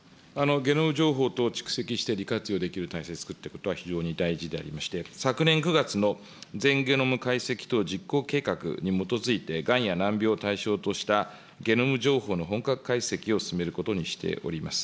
ゲノム情報等蓄積して利活用できる体制を作っていくことは非常に大事でありまして、昨年９月の全ゲノム解析等実行計画に基づいて、がんや難病を対象としたゲノム情報の本格解析を進めることにしております。